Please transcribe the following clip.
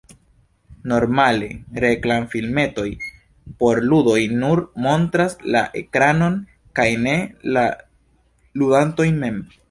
Normale reklamfilmetoj por ludoj nur montras la ekranon kaj ne la ludantojn mem.